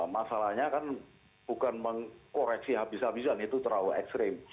masalahnya kan bukan mengkoreksi habis habisan itu terlalu ekstrim